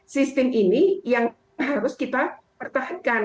sistem ini yang harus kita pertahankan